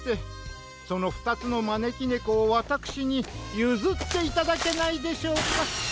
そのふたつのまねきねこをわたくしにゆずっていただけないでしょうか？